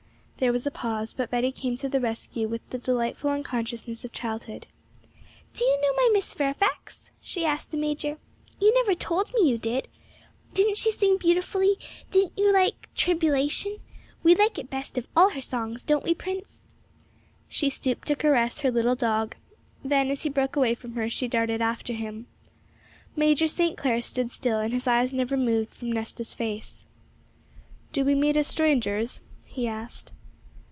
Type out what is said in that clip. There was a pause, but Betty came to the rescue with the delightful unconsciousness of childhood. 'Do you know my Miss Fairfax?' she asked the major. 'You never told me you did. Didn't she sing beautifully? Did you like "Tribulation"? We like it the best of all her songs, don't we, Prince?' She stooped to caress her little dog; then, as he broke away from her, she darted after him. Major St. Clair stood still, and his eyes never moved from Nesta's face. 'Do we meet as strangers?' he asked.